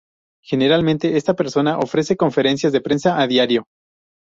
Generalmente esta persona ofrece conferencias de prensa a diario.